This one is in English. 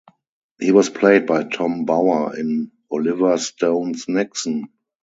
He was played by Tom Bower in Oliver Stone's "Nixon".